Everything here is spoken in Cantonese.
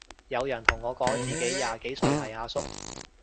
有人同我講自己廿幾歲係阿叔